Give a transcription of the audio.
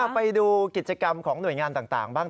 ไปดูกิจกรรมของหน่วยงานต่างบ้าง